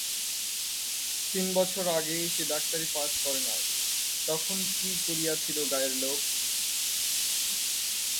তিন বছর আগে সে ডাক্তারি পাস করে নাই, তখন কী করিয়াছিল গাঁয়ের লোক?